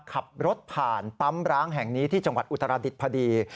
ขับรถผ่านปั๊มร้างแห่งนี้ที่จังหวัดอุตราดิษฐ์พอดี